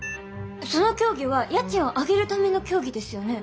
その協議は家賃を上げるための協議ですよね？